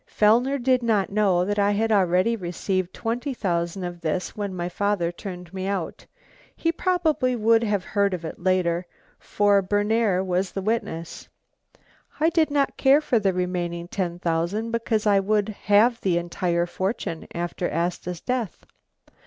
"Fellner did not know that I had already received twenty thousand of this when my father turned me out. He probably would have heard of it later, for Berner was the witness. I did not care for the remaining ten thousand because I would have the entire fortune after Asta's death.